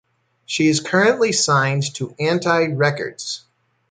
She is currently signed to Anti Records.